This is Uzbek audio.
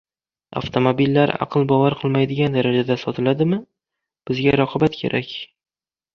Avtomobillar aql bovar qilmaydigan darajada sotiladimi? Bizga raqobat kerak